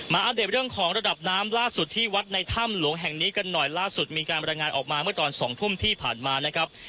อัปเดตเรื่องของระดับน้ำล่าสุดที่วัดในถ้ำหลวงแห่งนี้กันหน่อยล่าสุดมีการบรรยายงานออกมาเมื่อตอนสองทุ่มที่ผ่านมานะครับ